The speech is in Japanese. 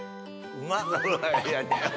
うまそう！